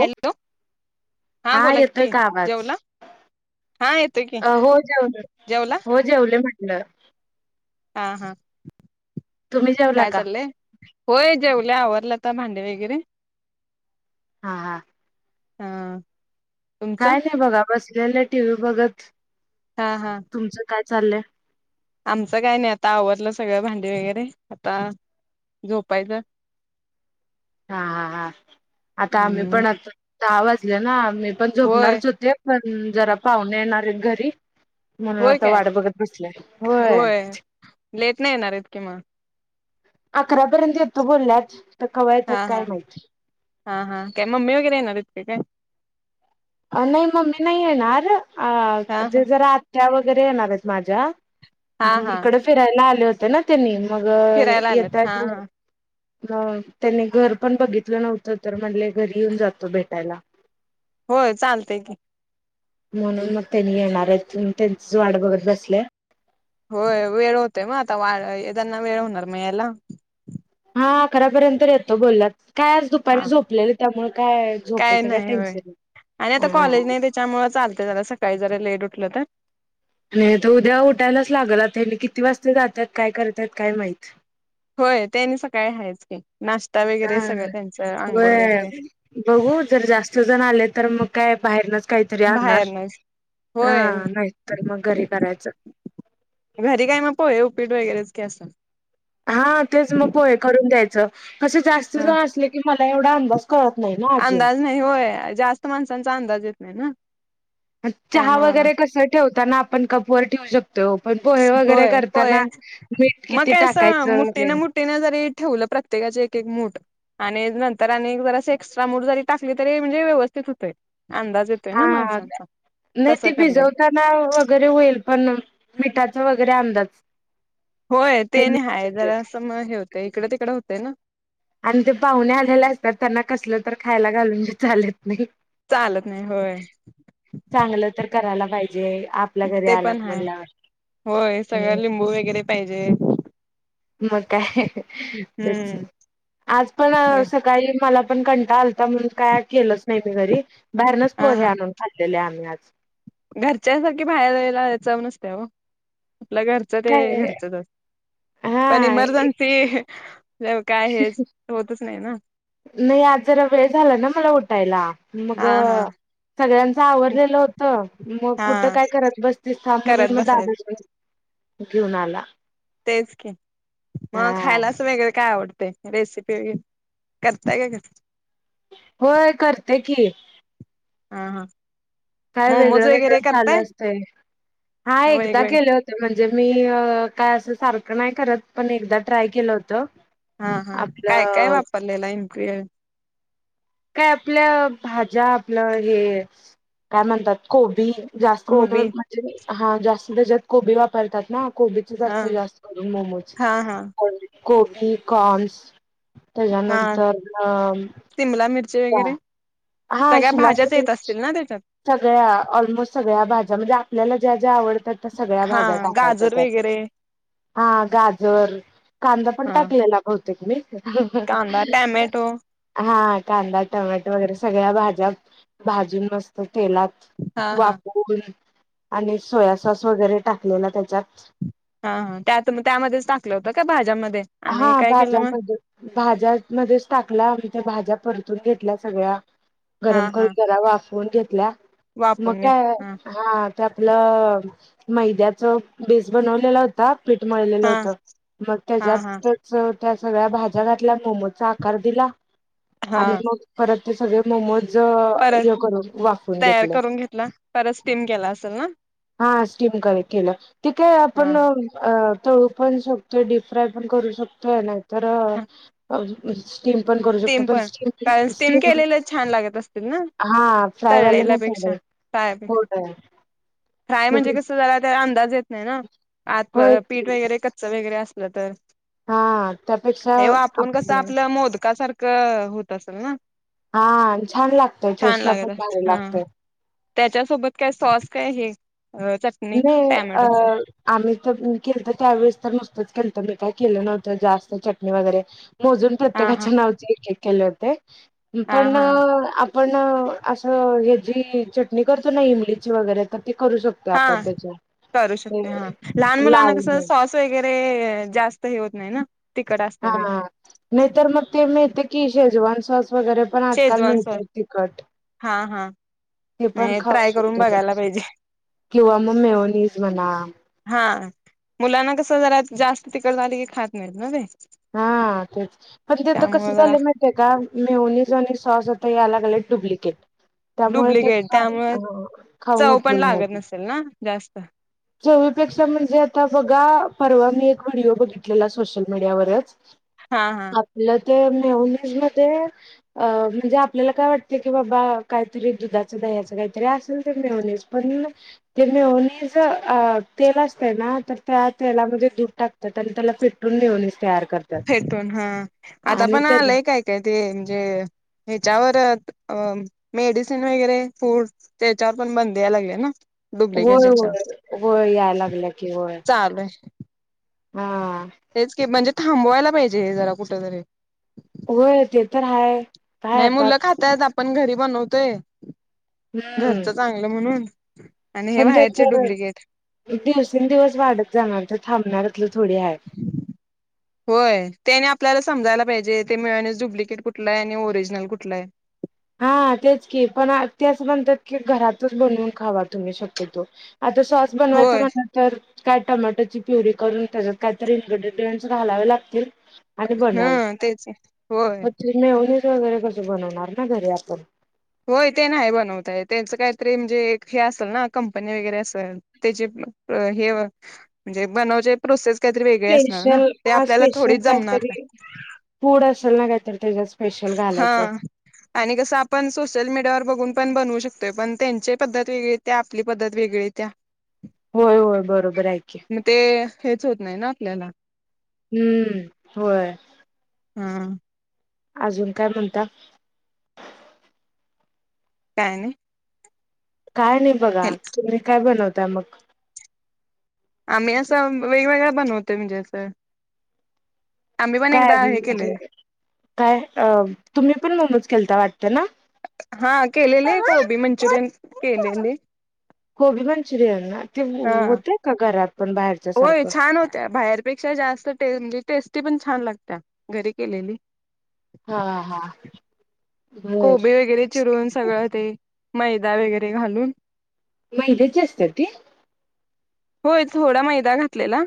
Hello हा बोला येतोय कि. का आवाज जेवला? हा येतोय की अ हो जेवलो. जेवला हो जेवले म्हटलं. हा हा. तुम्ही जेवला काय का? चाललंय होय जेवल्या आवरल आता भांडे वगैरे. हा हा. हा. तुमचं काय नाही बघा बसलेले टीव्ही बघत. हा हा तुमचं काय चाललंय? आमचं काय नाही आता आवरल सगळं भांडी वगैरे, आता झोपायच. हा हा हा आता आम्ही हम्म पण आता दहा वाजल ना पण होय झोपणारच होते पण, जरा पाहुूने येणार आहेत घरी म्हणून होय आता काय वाट बघत बसलय. होय लेट नाही येणार आहेत कि मग अकरापर्यंत येतो बोलल्यात. तर कवा हा येतात हा काय माहिती हा हा. काय मम्मी वगैरे येणार आहेत का काय? नाही मम्मी नाही येणार. हा अ हा ते जरा आत्या वगैरे येणार आहेत माझ्या. हा हा इकड फिरायला आले होते ना त्यांनी मग फिरायला आलेत येता हा हा [unintelligible] अ त्यांनी घर पण बघितलं नव्हतं तर म्हणले, घरी येऊन जातो भेटायला. होय चालतय की. म्हणून मग त्यांनी येणार आहे त्यांच वाट बघत बसलंय होय वेळ होतय मग आता वा येदना वेळ होणार म यायला. ह अकरापर्यंत येतो बोललात कायज हा दुपारी झोपलेली त्यामुळे. काय काय झोपेचं नाही होय टेन्शन नाही. आणि आता हा कॉलेज नाही त्याच्यामूळ चालत जरा सकाळी जरा लेट उठलं तर आणि तो उद्या उठायलाच लागलता किती वाजता जातात काय करतायत काय माहित होय त्यानी सकाळी हायच केली. अ व वगैरे बघू जर जास्त जण आले तर मग काय बाहेरनच काहीतरी आणणार बाहेरनच हा होय नाही तर मग घरी करायचं. घरी काय मग पोय उपीट वगैरेच क असल क जास्त ज हा अस की मला एवढा अंद अंदाज नाही होय जास्त माणसांचा अंदाज येत नाही ना. चहा त्यामुळं वगैरे कस ठेवताना आपण कपवर ठेवू शकतो. तो पण पोहे वगैरे होय करताना पोह्यांच मीठ मग किती काय असं टाकायचं मुठीनं ते. मुठीनं जरी ठेवलं प्रत्येकाचे एक एक मूठ आणिर तर आणि जर असे एक्स्ट्रा मूड जरी टाकली तरी म्हणजे व्यवस्थित होते. हा नाही तसं ते करलंय भिजवताना वगैरे होईल पण मिठा वगैरे आंदाज होय ते नाही आहेाय जरा असं मग हे होतंय इकडे तिकडं होतंय ना. आणि ते पाहुणे आलेले असतात त्यांना कसलं तर खायला घालून चाले. चालत नाही होय. चांगलं तर करायला पाहिजे आपल्या घरी ते पण आलंत हाय म्हटल्यावर होय सगळं लिंबू वगैरे पाहिजे मग काय तेच हम्म आज पण सकाळी मला पण कंटाळा आलता म्हणून काय केलोच नाही मी घरी बाहेरनच पोहे आणून खाल्लेले आम्ही आज. घरच्या सारखी बाहेर हेला चव नसत्या ओ आपलं घरचं ते काय? घरचच असत पण हा इमर्जन्सी काय हेच होतच नाही ना नाही आज जरा वेळ झाला ना मला उठायला मग हा हा सगळ्यांच आवरडलेलं होत मग कुठं हा काय करत बसतीस थांब करत म्हणून म बसायच दादा घेऊन आला. तेच की मग हा खायला असं वेगळ काय आवड तय रेसिपी वगैरे करताय काय घरी? होय करते की हा, हा काय मोमोज वेगळं वगैरे वेगळं चालू करताय असतय हा एकदा वेगवेगळे गेले होते म्हणजे मी काय असं सारख नाही करत पण एकदा ट्राय केलं होत हा हा काय काय वापरलेलं एमफ्लुएंट? काय आपल्या भाज्या आपलं हे काय म्हणतात कोबी जास्त मुल कोबी म्हणजे मी हा जास्त तेजात कोबी वापरतात ना कोबीचे हा जास्त जास्त करून मोमोज हा हा कोबी, कॉन्स तेज्या हा नंतर न सिमला मिरची वगैरे हा हा सगळ्या भाज्याच येत [unintelligible] असतील ना त्याच्यात सगळ्या ऑलमोस्ट सगळ्या भा ज्या म्हणजे आपल्याला ज्या ज्या आवडतात त्या सगळ्या हा भाज्या टाकायच्या गाजर त्यात वगैरे हा गाजर, कांदा पण हा टाकलेला भव तेक मी कांदा टॅमॅटो हा कांदा, टोमॅटो वगैरे सगळ्या भाज्या भाजून मस्त तेलात हा हा वाफवून आणि सोया सॉस वगैरे टाकलेला त्याच्यात हा हा त्यात तुम्ही त्यामध्येच टाकलं होतं का भाज्यांमध्ये? हा भाज्यामध्ये भाज्या मध्येच टाकला [unintelligible] त्या भाज्या परतून घेतल्या सगळ्या हा गरम करून हा जरा वाफवून घेतल्या. म वाफवून घेत काय हा त्यातलं मैद्याच भीज बनवलेला होता. पीठ मळलेलं हा होतं मग हा हा त्याच्यातच त्या सगळ्या भाज्या घातल्या. मोमोजचा आकार दिला आणि हा मग परत ते सगळे मोमो ज परत हे करून वाफवुन तयार घेतले. करून घेतला परत स्टीम केला असेल ना हा स्टीम [unintelligible] केलं तिथे आपण हा अ तळू पण शकतोय. डीप फ्राय पण करू शकतोय. नाहीतर अ स्टीम पण करू शकतो, स्टीम पण कारण स्टीम स्टीम केलेले छान लागत असतील ना हा फ्रायवाले नाही तळलेल्यापेक्षा [unintelligible] हो फ्रायपेक्षा ताई. फ्राय म्हणजे कसं जरा त्या अंदाज ये त नाही ना. आत होय पीठ वगैरे कच्च वगैरे असलं तर. हा त्यापेक्षा हे वाफवून कसं आपलं मोदका सारखं होत असल ना? हा. छान लागतय. छान टेस्टला पण लागत भारी असेल. हा लागतय. त्याच्यासोबत काय सॉस काय हे? अ चटणी नाही अ टॅमॅटो सॉस आम्ही तर केलत त्यावेेळेस तर नुसतंच केल त मी काय केलं नव्हतं. जास्त चटणी वगैरे मोजून हा हा प्रत्येकाच्या नावचे एक एक केले होते. हा पण आ हा आपण असं हेजी चटणी करतो ना. इमलीची वगैरे तर ती करू शकतो. तोय आपण हा तेच्या [unintelligible] करू शकतोय हा लहान मुलांना कसं सॉस वगैरे जास्त हे होत नाही ना. तिखट हा असतय व्हय नाहीतर मग ते मिळते की शेजवान साॅस. वगैरे पण आजकाल शेजवान मिळतय सॉस तिकट. हा हा ते पण नाही खाऊ ट्राय करून शकते. बघायला पाहिजे किंवा मग मेवनीज म्हणा- हा मुलांना कस जरा. जास्त तिकट झाली की खात नाहीत ना ते. हा तेच. पण ते तर कस त्यामुळे जरा झाले माहितीे का. मेवनीज आणि साॅस - हे अलग-अलग डुप्लिकेट. त्यामुळे ते डुप्लिकेट त्यामुळे खाऊ खाऊन चव पण उपयोग लागत नाहीत. नसेल ना जास्त - चवीपेक्षा म्हणजे आता बघा. परवा मी एक व्हिडिओ बघितलेला सोशल मीडियावरच - हा हा. ते मेवनीज म्हणजे. आपल्याला काय वाटतय की बाबा काहीतरी दुधाच बिदाच- ह्याच काहीं तरी असेल ते मेवणीज. पण ते मेवनीज - तेल असतय ना. तर त्या तेलामध्ये दूध टाकतात. आणि त्याला फिटून मिळवुन घेतात. फेटून हा. आता आणि पण त्या आलंय काय-काय ते म्हणजे ह्याच्यावर - अ मेडिसिन वगैरे फूड ते च्यावर पण बंदी याय लागल्या ना. डुप्लिकेट ह्याच्यावर होय-होय-होय याय लागलं की होय चालू आहे हा. तेच म्हणजे थांबवायला पाहिजे हे जरा कुठं तरी - होय ते तर हाय. काय नाही आता मुलं खातात. आपण घरी बनवतोय. हम्म घरचं चांगलं म्हणून आणि हे पण ते बाहेरचे तर डुप्लिकेट - दिवसेंदिवस वाढत जाणार, तर थांबणाऱ्यातल थोडी हाय. होय ते आणि आपल्याला समजायला पाहिजे. ते मेयॉनिज डुप्लिकेट कुठलय आणि ओरिजनल कुठलय? हा तेच की, पण आरती आसं म्हणतात की, घरातच बनवून खावा तुम्ही शक्यतो. आता सॉस बनवायचं होय म्हणलं तर काय टोमॅटोची प्युरी करून, त्याच्यात कायतरी इनग्रीडीडंअन्ट्स घालावे लागतील. आधी बोललाव हे, ह तेच होय पणं ते मेयॉनिजं. ते वगैरे कस बनवणार ना घरी आपण? होय ते नाही बनवता येत. त्यांच काहीतरी म्हणजे हे असेल ना, कंपनी वगैरे अस - तर त्याचे हे म्हणजे बनवचे प्रोसेस काहीतरी वेगळी असणार ना, स्पेशल ते हा आपल्याला स्पेशल थोडीच जमणार नाही. काहीतरी फूड असल ना, काही तरी तेज्याज हा आणि कस आपण सोशलमिडियावर बघून पण बनवू शकतोय. पण त्यांची पद्धत वेगळी येतीया, आपली पद्धत वेगळी येतीया. होय होय बरोबर आहे की मग ते, हेच होत नाही ना आपल्याला हुं. होय. हा. अजून काय म्हणता? काय नाही. काय नाही बघा तुम्ही काय बनवताय मग? आम्ही असं वेगवेगळ बनवतोय म्हणजे असं. आम्ही पण काय एकदा हे म्हणजे केलेलं काय अ तुम्ही पण मोमोज केलता वाटत ना?. हा केलेले. कोबी मंचुरियन केलेले. कोबी मंचुरियन ना, ते हा होतय का घरात? पण बाहेरच्या होय सारखं छान होतिया, बाहेरपेक्षा जास्त टेस् म्हणजे टेस्ट ती पण, छान लागत्या घरी केलेली हा हा. बर कोबी वगैरे चिरून सगळं, ते मैदा वगैरे घालून मैद्याची असत्या ती होय थोडा मैदा घातलेला,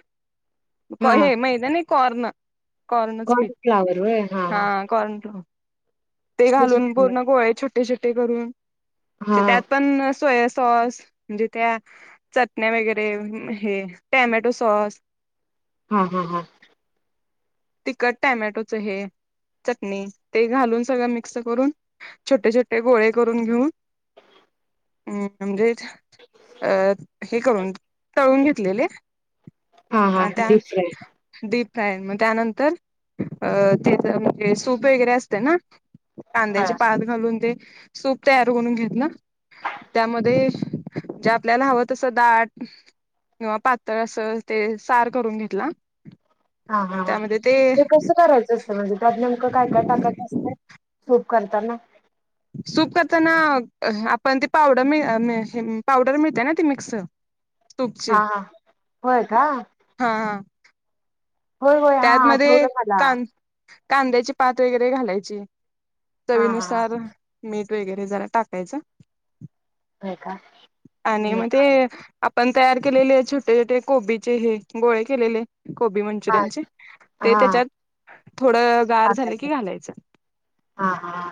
हा हे मैदा नाही कॉर्न कॉर्नच पीठ, हा कॉर्नफ्लोअर ते तेच घालून म्हटलं पूर्ण गोळे छोटे छोटे करून म्हणजे हा त्यात पण सोया सॉस म्हणजे त्या चटण्या वगैरे हे, टॅमॅटो सॉस [inaudible] हा हा हा. तिकट टॅमॅटोचं हे चटणी ते घालून, सगळं मिक्स करून, छोटे छोटे गोळे करून घेऊन हम् म्हणजे अ हे करून तळून घेतलेले. हा का दिप काय म त्यानंतर अ ते म्हणजे सूप वगैरे असतय ना. कांद्याची होय पात घालून, ते सूप तयार करून घेत ना. त्यामध्ये जे आपल्याला हवं तसं दाट किंवा पातळ असं ते, सार करून घेतला. हा आणि हा त्यामध्ये ते कसं करायचं असत म्हणजे त्यात नेमकं काय काय टाकायचं असतंय? सूप करताना सूप करताना हा आपण ती पावडर मि हे मिळ मिळतीया पावडर मिळतिया ना ती मिक्स सुपची हा हा होय का हा हा. होय होय हा त्यातमध्ये आठवलं मला कान - - कांद्याची पात वगैरे घालायची. हा हा चवीनुसार मीठ. वगैरे जरा टाकायचं होय का आणि मग म ते चांग आ - - पण तयार केलेले छोटे छोटे कोबीचे हे गोळे केलेले कोबी हा मंचुरियन चे ते हा त्याच्यात थोडं गार झालं की टाकायचं. घालायचं. हा हा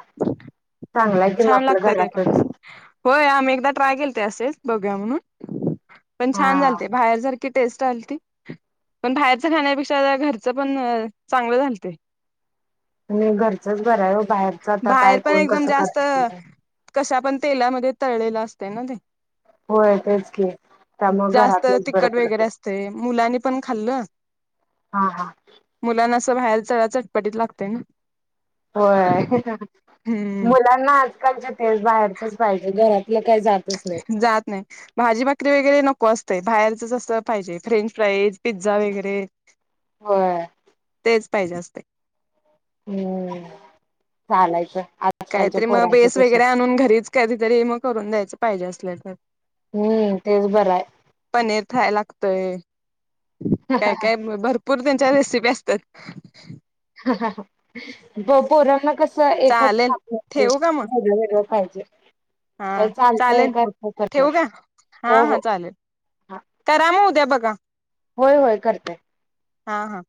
चांगलाय हम्म की मग छान आपलं लागतयं ते पण. घरातच होय. आम्ही एकदा ट्राय केलते असेच बघूया म्हणून पण छान हा झालते. बाहेर जर टेस्ट आलती. पण बाहेरच खाण्यापेक्षा घरच पण चांगलं झालते. आणि घरचंच बराय यो बाहेरच आता काय बाहेर पण कोण एकदम कसं जास्त करत ते काय कशा पण तेलामध्ये तळलेला असतयना ते. होय तेच की त्यामुळे जास्त घरातलंच बरं तिकट वगैरे पडतं असतय. मुलानी पण खाल्ल हां हां. बाहेर चढ चटपटत लागते ना होय हम्म मुलांना आजकालचे तेस बाहेरचच पाहिजे घरात जात नाही भाजी भाकरी वगैरे नको आहे बाहेरच असं पाहिजे फ्रेंच फ्राईज पिझ्झा वगैरे हो तेच पाहिजे असते हम्म चालायच काहीतरी मग बेस वगैरे आणून घरीच कधीतरी मग करून द्यायचं पाहिजे असल्या तर हम्म तेच बरं आहे पनीर खायला लागतय काय काय भरपूर त्यांच्या रेसिपी असतात प पोरांना कस एकच चालेल खा ठेवू का मग पाहिजे हा चालतय चालेल करत तर मग हो हो हा कराम उद्या बघ होय होय करतेय हा हा